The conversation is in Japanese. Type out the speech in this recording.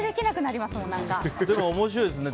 でも面白いですね。